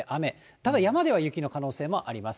ただ、山では雪の可能性もあります。